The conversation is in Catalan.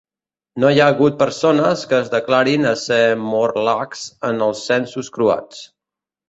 No hi ha hagut persones que es declarin a ser Morlachs en els censos croats.